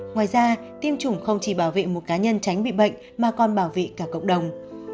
ngoài ra tiêm chủng không chỉ bảo vệ một cá nhân tránh bị bệnh mà còn bảo vệ cả cộng đồng